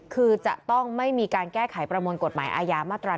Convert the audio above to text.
คือจะต้องไม่มีการแก้ไขประมวลกฎหมายอาญามาตรา๑